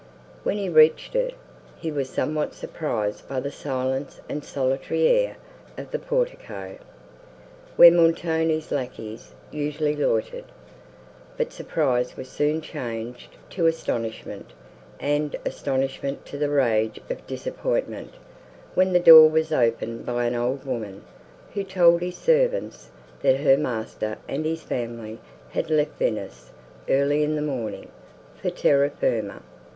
When he reached it, he was somewhat surprised by the silence and solitary air of the portico, where Montoni's lacqueys usually loitered; but surprise was soon changed to astonishment, and astonishment to the rage of disappointment, when the door was opened by an old woman, who told his servants, that her master and his family had left Venice, early in the morning, for Terra firma.